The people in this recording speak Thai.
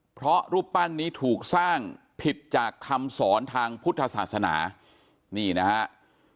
เพราะรูปปั้นนี้ถูกสร้างผิดจากคำสอนทางพุทธศาสนานี่นะครับ